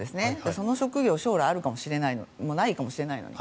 その職業は将来ないかもしれないのに。